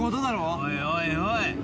おいおいおい！